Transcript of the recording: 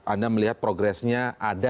anda melihat progresnya ada